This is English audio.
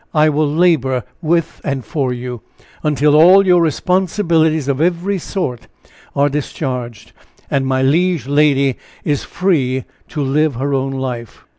and I will labor with and for you, until all your responsibilities of every sort are discharged, and my liege lady is free to live her own life!"